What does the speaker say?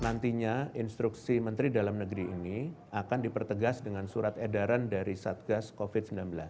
nantinya instruksi menteri dalam negeri ini akan dipertegas dengan surat edaran dari satgas covid sembilan belas